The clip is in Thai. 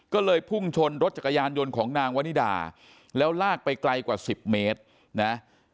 ก็เลยพุ่งชนรถจักรยานยนต์ของนางวนิดาแล้วลากไปไกลกว่า๑๐เมตรนะ